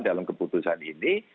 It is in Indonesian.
dalam keputusan ini